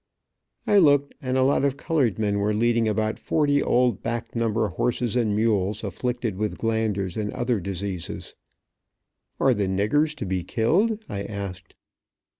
I looked, and a lot of colored men were leading about forty old back number horses and mules, afflicted with glanders and other diseases. "Are the niggers to be killed?" I asked.